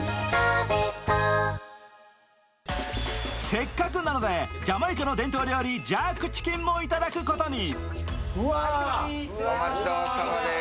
せっかくなので、ジャマイカの伝統料理、ジャークチキンもいただくことに。